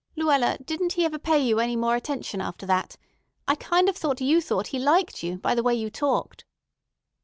"Luella, didn't he ever pay you any more attention after that? I kind of thought you thought he liked you, by the way you talked."